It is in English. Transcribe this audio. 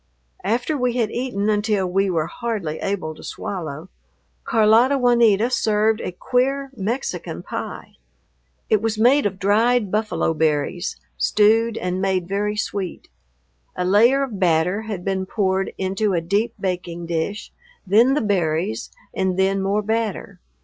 After we had eaten until we were hardly able to swallow, Carlota Juanita served a queer Mexican pie. It was made of dried buffalo berries, stewed and made very sweet. A layer of batter had been poured into a deep baking dish, then the berries, and then more batter.